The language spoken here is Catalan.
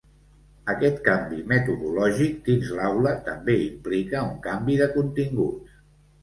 Aquest canvi metodològic dins l'aula també implica un canvi de continguts.